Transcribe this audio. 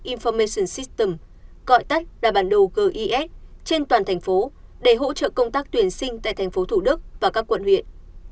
information system gọi tắt là bản đồ ges trên toàn thành phố để hỗ trợ công tác tuyển sinh tại tp thủ đức và các quận huyện